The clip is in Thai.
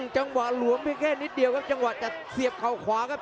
จังหวะหลวมเพียงแค่นิดเดียวครับจังหวะจะเสียบเข่าขวาครับ